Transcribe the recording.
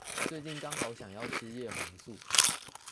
最近剛好想要吃葉黃素